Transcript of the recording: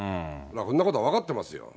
そんなことは分かってますよ。